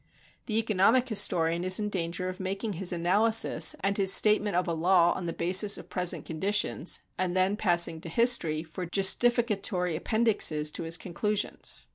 The economic historian is in danger of making his analysis and his statement of a law on the basis of present conditions and then passing to history for justificatory appendixes to his conclusions.